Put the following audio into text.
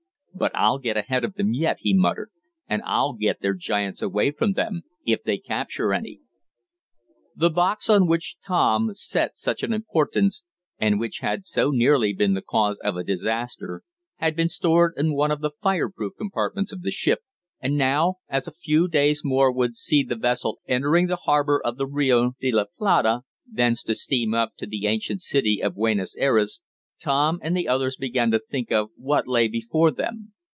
"But I'll get ahead of them yet!" he muttered, "and I'll get their giants away from them, if they capture any." The box on which Tom set such an importance, and which had so nearly been the cause of a disaster, had been stored in one of the fire proof compartments of the ship, and now, as a few days more would see the vessel entering the harbor of the Rio de la Plata, thence to steam up to the ancient city of Buenos Ayres, Tom and the others began to think of what lay before them.